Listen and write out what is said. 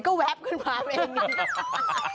ก็แว๊บขึ้นมาเลย